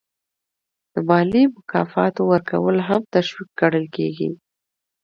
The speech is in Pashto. د مالي مکافاتو ورکول هم تشویق ګڼل کیږي.